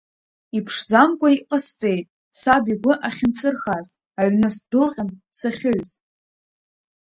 Иԥшӡамкәа иҟасҵеит саб игәы ахьынсырхаз, аҩны сдәылҟьан, сахьыҩыз.